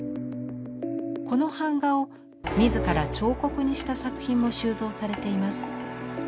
この版画を自ら彫刻にした作品も収蔵されています。